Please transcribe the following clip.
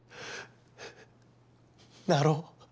なろう！